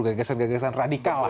gagasan gagasan radikal lah